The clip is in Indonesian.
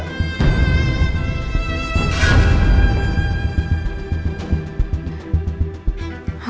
aku gak kenal